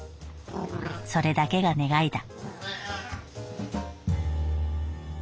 それだけが願いだ」。